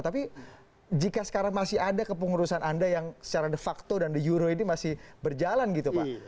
tapi jika sekarang masih ada kepengurusan anda yang secara de facto dan the euro ini masih berjalan gitu pak